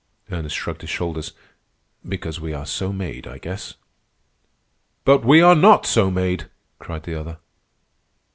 Ernest shrugged his shoulders. "Because we are so made, I guess." "But we are not so made!" cried the other.